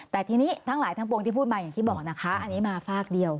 แต่ทีนี้ทั้งหลายทั้งปวงที่พูดมาอย่างที่บอกนะคะอันนี้มาฝากเดียว